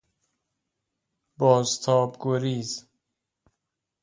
بازتاب گریز